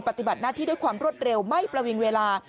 ปฏิบัติหน้าที่ด้วยความรวดเร็วไม่ประวิงเวลา